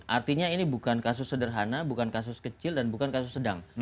artinya ini bukan kasus sederhana bukan kasus kecil dan bukan kasus sedang